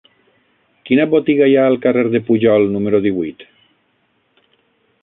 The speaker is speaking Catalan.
Quina botiga hi ha al carrer de Pujol número divuit?